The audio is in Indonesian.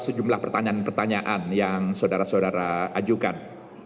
sejumlah pertanyaan pertanyaan yang saudara saudara ajukan